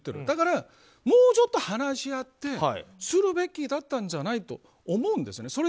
だから、もうちょっと話し合ってするべきだったんじゃないと思うんですよね。